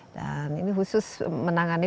dan ini khusus menangani